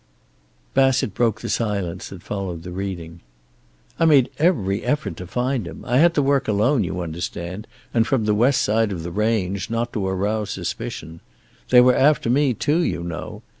Bassett broke the silence that followed the reading. "I made every effort to find him. I had to work alone, you understand, and from the west side of the range, not to arouse suspicion. They were after me, too, you know.